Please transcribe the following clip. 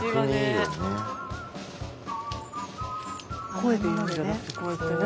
声で言うんじゃなくてこうやってね。